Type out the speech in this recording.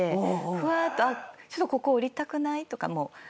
ふわっと「ちょっとここ降りたくない？」とか。